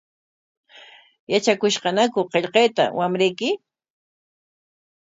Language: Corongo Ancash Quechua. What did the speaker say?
¿Yatrakushqañaku qillqayta wamrayki?